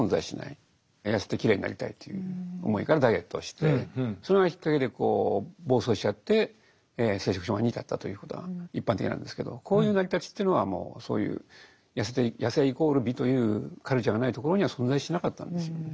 痩せてきれいになりたいという思いからダイエットをしてそれがきっかけで暴走しちゃって摂食障害に至ったということが一般的なんですけどこういう成り立ちというのはそういう痩せイコール美というカルチャーがないところには存在しなかったんですよね。